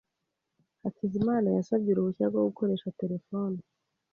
Hakizimana yasabye uruhushya rwo gukoresha terefone.